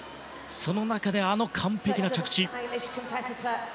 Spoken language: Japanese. その中で、あの完璧な着地。